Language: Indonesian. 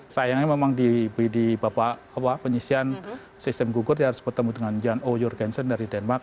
sayangnya memang di babak penyisian sistem gugur dia harus bertemu dengan jan o jorgensen dari denmark